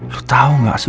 lu tau nggak sih